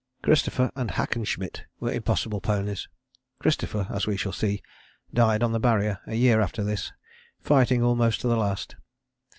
Christopher and Hackenschmidt were impossible ponies. Christopher, as we shall see, died on the Barrier a year after this, fighting almost to the last.